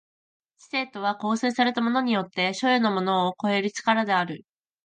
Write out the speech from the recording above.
知性とは構成されたものによって所与のものを超える力である。